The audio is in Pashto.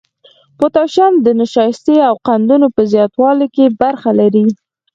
پوتاشیم د نشایستې او قندونو په زیاتوالي کې برخه لري.